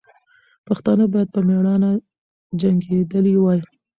پښتانه باید په میړانه جنګېدلي وای.